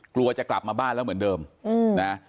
กลัวจะกลับมาบ้านแล้วเหมือนเดิมนะ